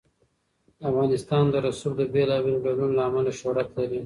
افغانستان د رسوب د بېلابېلو ډولونو له امله شهرت لري.